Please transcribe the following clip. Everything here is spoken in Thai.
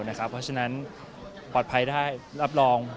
เพราะฉะนั้นปลอดภัยได้รับรอง